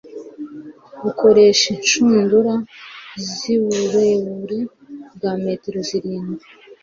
bukoresha inshundura z uburebure bwa metero zirindwi